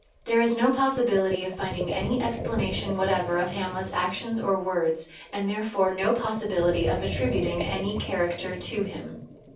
There is no possibility of finding any explanation whatever of Hamlet's actions or words, and therefore no possibility of attributing any character to him.